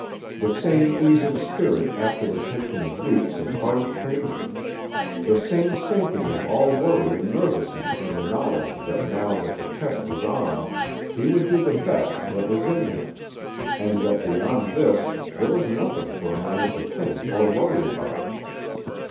The same ease of spirit after the tension of weeks of hard training; the same sinking of all worry and nervousness in the knowledge that now that the test was on he would do the best that was in him, and that beyond this there was nothing for a man to think or worry about.